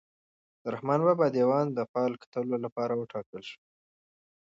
د رحمان بابا دیوان د فال کتلو لپاره وټاکل شو.